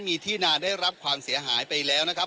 มีที่นานได้รับความเสียหายไปแล้วนะครับ